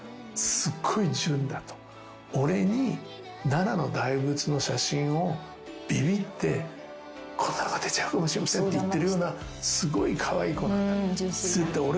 俺に奈良の大仏の写真をビビってこんなのが出ちゃうかもしれませんって言ってるようなすごいカワイイ子なんだ。